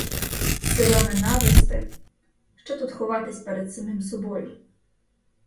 Сила ненависти, — що тут ховатись перед самим собою?